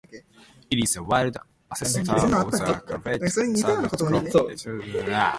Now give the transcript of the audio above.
It is the wild ancestor of the cultivated cereal crop "Echinochloa frumentacea", sawa millet.